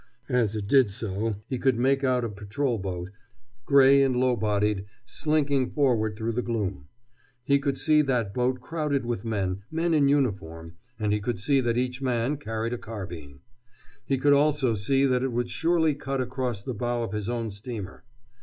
As it did so he could make out a patrol boat, gray and low bodied, slinking forward through the gloom. He could see that boat crowded with men, men in uniform, and he could see that each man carried a carbine. He could also see that it would surely cut across the bow of his own steamer.